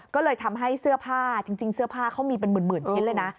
ก็เลยทำให้เสื้อผ้าจริงเสื้อผ้าเขามีเป็นหมื่นชิ้นเลยนะ